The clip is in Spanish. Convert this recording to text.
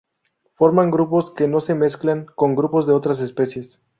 Forman grupos que no se mezclan con grupos de otras especies.